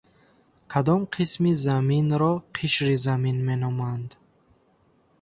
Кадом қисми Заминро қишри Замин меноманд?